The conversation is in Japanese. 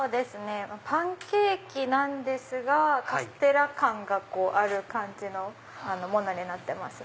パンケーキなんですがカステラ感がある感じのものになってます。